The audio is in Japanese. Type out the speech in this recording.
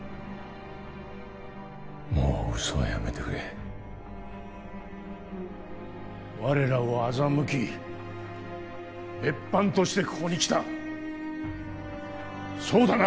もう嘘はやめてくれ我らを欺き別班としてここに来たそうだな？